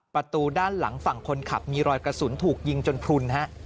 ประตูด้านหลังฝั่งคนขับมีรอยกระสุนถูกยิงจนพลุนฮะ